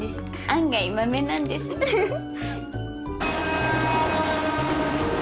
案外まめなんですフフフ。